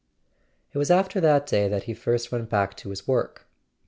.. It was after that day that he first went back to his work.